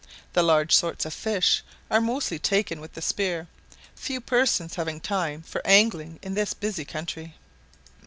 The large sorts of fish are mostly taken with the spear, few persons having time for angling in this busy country.